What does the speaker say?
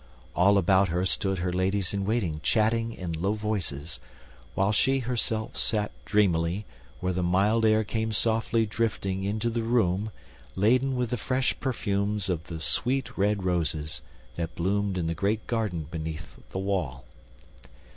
All about her stood her ladies in waiting chatting in low voices, while she herself sat dreamily where the mild air came softly drifting into the room laden with the fresh perfumes of the sweet red roses that bloomed in the great garden beneath the wall.